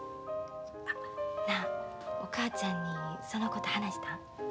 なあお母ちゃんにそのこと話した？